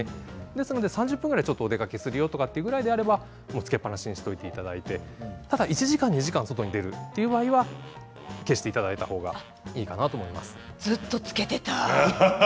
ですので３０分ぐらいちょっとお出かけするぐらいであればつけっぱなしにしておいていただいてただ１時間２時間外に出る場合は消していただいたほうがいいかなずっとつけていた。